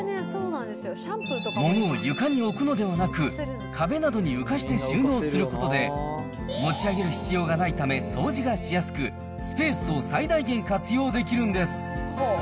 物を床に置くのではなく、壁などに浮かして収納することで、持ち上げる必要がないため掃除がしやすく、スペースを最大限活用できるんです。